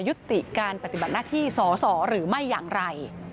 ยุติการปฏิบัติหน้าที่สอสอหรือไม่อย่างไร